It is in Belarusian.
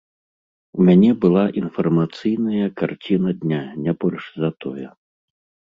У мяне была інфармацыйная карціна дня, не больш за тое.